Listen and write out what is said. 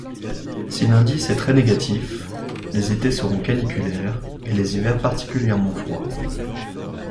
Si l'indice est très négatif, les étés seront caniculaires et les hivers particulièrement froid.